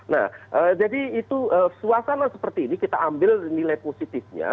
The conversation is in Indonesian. nah jadi itu suasana seperti ini kita ambil nilai positifnya